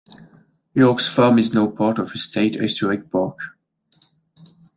York's farm is now part of a state historic park.